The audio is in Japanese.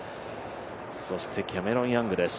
そしてキャメロン・ヤングです。